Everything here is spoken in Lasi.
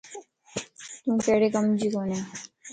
تون ڪھڙي ڪم جي ڪوني.